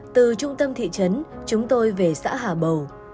từ trung tâm thị trấn chúng tôi về xã hà bầu